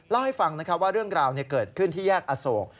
เล่าให้ฟังนะครับว่าเรื่องราวเกิดขึ้นที่แยกอโศก